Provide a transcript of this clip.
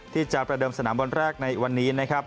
ที่จะประเดิมสนามบอลแรกในวันนี้